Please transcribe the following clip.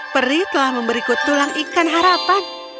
peri telah memberiku tulang ikan harapan